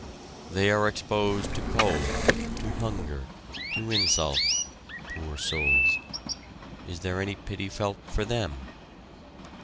They are exposed to cold, to hunger, to insult poor souls is there any pity felt for them?